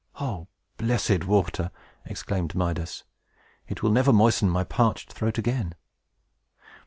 "O blessed water!" exclaimed Midas. "It will never moisten my parched throat again!"